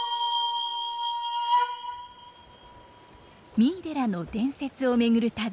三井寺の伝説を巡る旅。